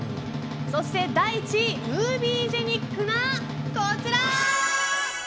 そして、第１位ムービージェニックなこちら。